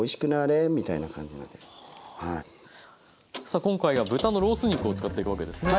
さあ今回は豚のロース肉を使っていくわけですね。